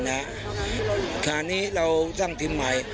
ฉะนั้นเราสร้างทีมใหม่